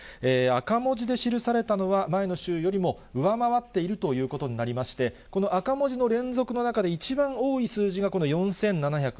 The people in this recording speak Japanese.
赤文字で記されたのは、前の週よりも上回っているということになりまして、この赤文字の連続の中で、一番多い数字がこの４７６４人。